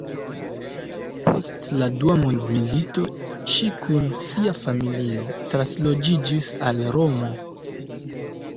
Post la dua mondmilito ŝi kun sia familio transloĝiĝis al Romo.